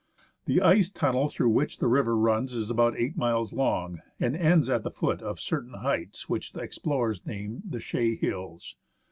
The ice tunnel through which the river runs is about eight miles long, and ends at the foot of certain heights which the ex plorers named " The Chaix Hills."